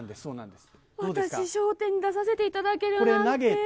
本当、笑点に出させていただけるなんて。